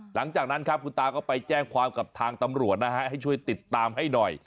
หลังจากนั้นครับคุณตาก็ไปแจ้งความกับทางตำรวจนะฮะให้ช่วยติดตามให้หน่อย